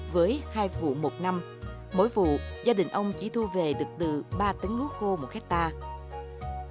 với hai vụ một năm mỗi vụ gia đình ông chỉ thu về được từ ba tấn lúa khô một hectare